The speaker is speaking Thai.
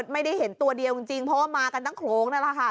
ไม่ได้เห็นตัวเดียวจริงเพราะว่ามากันทั้งโครงนั่นแหละค่ะ